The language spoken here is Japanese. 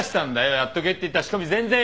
やっとけって言った仕込み全然やらないで。